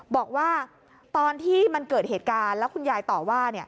บอกว่าตอนที่มันเกิดเหตุการณ์แล้วคุณยายต่อว่า